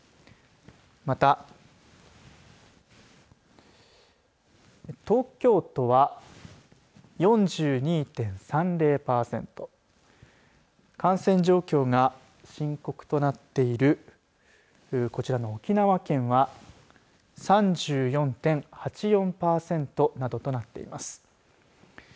また東京都は４２．３０パーセント感染状況が深刻となっているこちらの沖縄県は３４．８４パーセントなどとなっています。